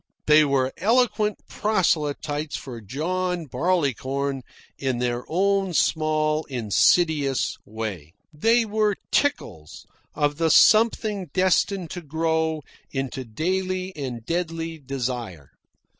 They were eloquent proselyters for John Barleycorn in their own small insidious way. They were tickles of the something destined to grow into daily and deadly desire.